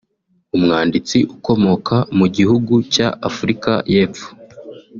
umwanditsi ukomoka mu gihugu cya Afurika y’Epfo